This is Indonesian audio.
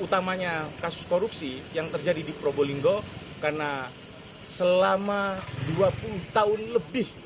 utamanya kasus korupsi yang terjadi di probolinggo karena selama dua puluh tahun lebih